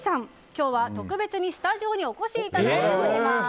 今日は特別にスタジオにお越しいただいております。